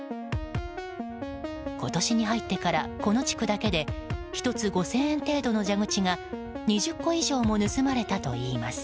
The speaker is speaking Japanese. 今年に入ってからこの地区だけで１つ５０００円程度の蛇口が２０個以上も盗まれたといいます。